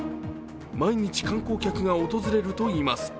毎日、観光客が訪れるといいます。